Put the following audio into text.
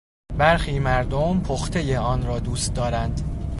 برخی مردم پختهی آن را دوست دارند.